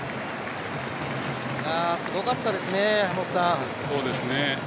すごかったですね、山本さん。